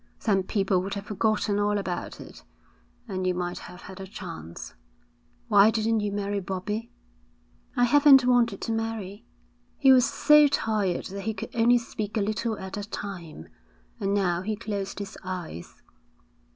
Then people would have forgotten all about it, and you might have had a chance. Why didn't you marry Bobbie?' 'I haven't wanted to marry.' He was so tired that he could only speak a little at a time, and now he closed his eyes.